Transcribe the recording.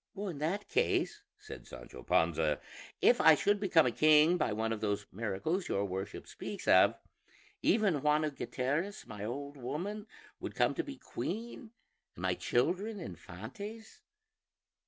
"In that case," said Sancho Panza, "if I should become a king by one of those miracles your Worship speaks of, even Juana Gutierrez, my old woman, would come to be queen and my children infantes."